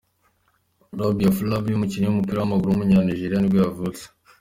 Rabiu Afolabi, umukinnyi w’umupira w’amaguru w’umunyanigeriya nibwo yavutse.